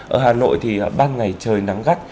ở hà nội thì ban ngày trời nắng gắt